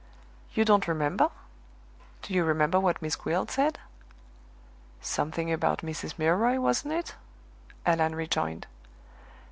You don't remember? Do you remember what Miss Gwilt said?" "Something about Mrs. Milroy, wasn't it?" Allan rejoined.